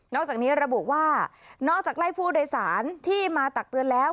อกจากนี้ระบุว่านอกจากไล่ผู้โดยสารที่มาตักเตือนแล้ว